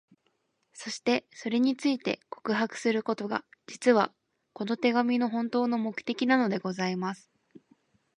そして、それについて、告白することが、実は、この手紙の本当の目的なのでございます。